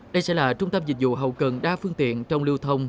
đây sẽ là trung tâm dịch vụ hậu cần đa phương tiện trong lưu thông